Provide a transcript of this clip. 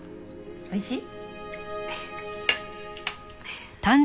おいしい？